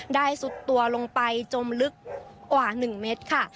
ได้สุดตัวลงไปจนลึกกว่า๑เมตร